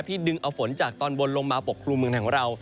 ดึงเอาฝนจากตอนบนลงมาปกครุมเมืองไทยของเรา